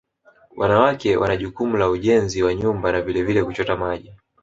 Wanawake wana jukumu la ujenzi wa nyumba na vilevile kuchota maji